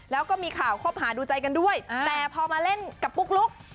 แล้วก็มีข่าวคบหาดูใจกันด้วยแต่พอมาเล่นกับปุ๊กลุ๊ก